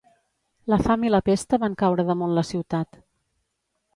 La fam i la pesta van caure damunt la ciutat.